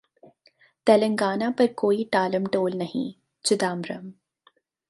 तेलंगाना पर कोई टालमटोल नहीं: चिदंबरम